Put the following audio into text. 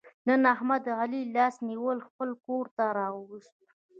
نن احمد علي لاس نیولی خپل کورته را وست.